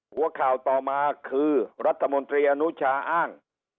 หัวข่าวต่อมาคือรัฐมนตรีอนุชาอ้าง